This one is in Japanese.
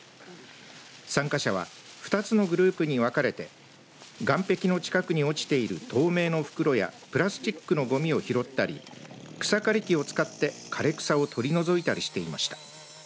参加者は２つのグループに分かれて岸壁の近くに落ちている透明の袋やプラスチックのごみを拾ったり草刈り機を使って、枯れ草を取り除いたりしていました。